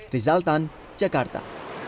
rizal tan jakarta